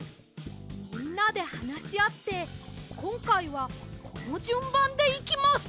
みんなではなしあってこんかいはこのじゅんばんでいきます！